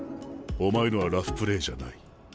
お前のはラフプレーじゃない。